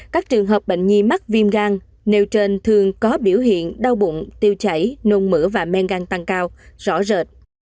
các trường hợp bệnh nhi mắc viêm gan nêu trên thường có biểu hiện đau bụng tiêu chảy nôn mỡ và men gan tăng cao rõ rệt